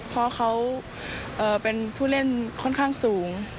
เพราะเขาเป็นผู้เล่นค่อนข้างสูง